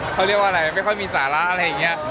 เขาเรียกว่าอะไรไม่ค่อยมีสาระอะไรอย่างนี้